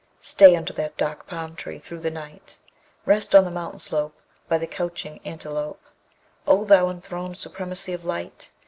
Stay under that dark palm tree through the night, Rest on the mountain slope, By the couching antelope, O thou enthroned supremacy of light!